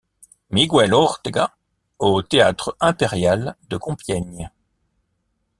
Miquel Ortega, au Théâtre impérial de Compiègne.